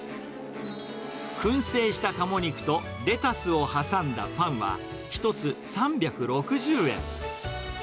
くん製したカモ肉とレタスを挟んだパンは、１つ３６０円。